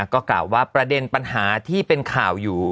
ก็กล่าวว่าประเด็นปัญหาที่เป็นข่าวอยู่